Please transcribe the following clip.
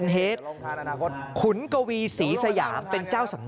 แหละเห็นไหม